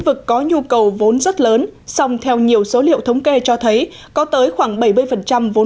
và tôi nhớ là lần đầu tiên đề cộng tính tài chính nhà ở